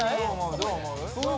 どう思う？